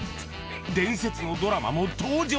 伝説のドラマも登場。